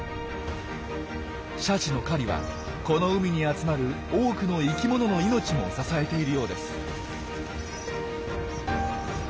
シャチの狩りはこの海に集まる多くの生きものの命も支えているようです。